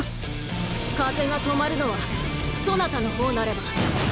風が止まるのはそなたの方なれば。